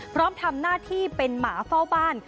พร้อมทำหน้าที่เป็นหมาเฝ้าบ้าน